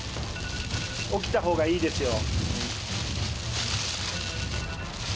起きた方がいいですよ。